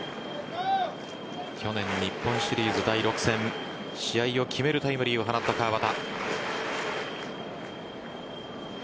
去年、日本シリーズ第６戦試合を決めるタイムリーを放った川端。